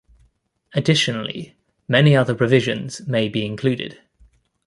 Additionally, many other provisions may be included.